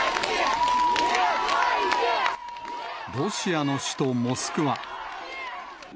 ロシアの首都モスクワ。